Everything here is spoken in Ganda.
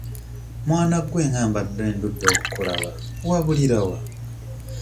Mwana gwe nga mbadde ndudde okukulaba wabulira wa?